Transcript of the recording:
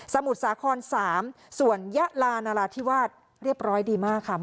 มุทรสาคร๓ส่วนยะลานราธิวาสเรียบร้อยดีมากค่ะ